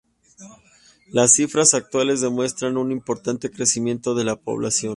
Las cifras actuales demuestran un importante crecimiento de la población.